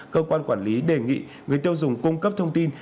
cơ quan quản lý đề nghị người tiêu dùng cung cấp thông tin